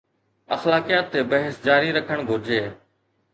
اخلاقيات تي بحث جاري رکڻ گهرجي.